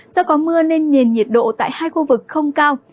do có mưa nên nền nhiệt độ tại hai khu vực không cao